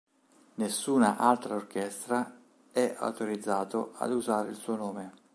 Nessuna altra orchestra è autorizzato ad usare il suo nome.